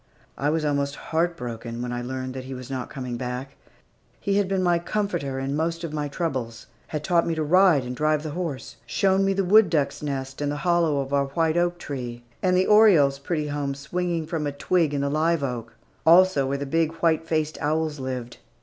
I was almost heart broken when I learned that he was not coming back. He had been my comforter in most of my troubles, had taught me to ride and drive the horse, shown me the wood duck's nest in the hollow of our white oak tree, and the orioles' pretty home swinging from a twig in the live oak, also where the big white faced owls lived.